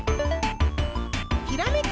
ひらめき！